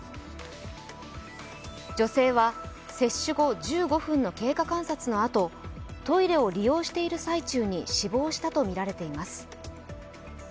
女性は接種後１５分の経過観察のあと、トイレを利用している最中に死亡したとみられています。